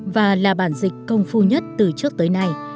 và là bản dịch công phu nhất từ trước tới nay